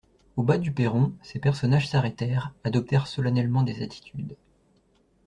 Au bas du perron, ces personnages s'arrêtèrent, adoptèrent solennellement des attitudes.